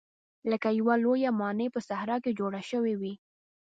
لکه یوه لویه ماڼۍ په صحرا کې جوړه شوې وي.